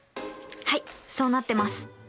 はいそうなってます。